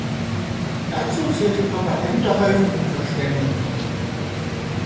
Dazu zählte Pape Ämterhäufung und Verschwendung.